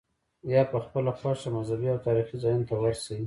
یا په خپله خوښه مذهبي او تاریخي ځایونو ته ورشې.